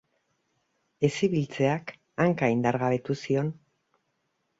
Ez ibiltzeak hanka indargabetu zion.